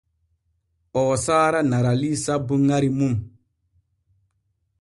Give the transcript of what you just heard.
Oo saara Narali sabbu ŋari mum.